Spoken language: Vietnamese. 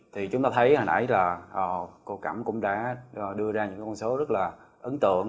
thì chúng ta thấy hồi nãy là cô cẩm cũng đã đưa ra những con số rất là ấn tượng